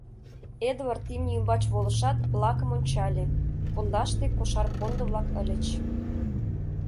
Эдвард имне ӱмбач волышат, лакым ончале: пундаште кошар пондо-влак ыльыч.